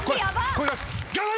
声出す。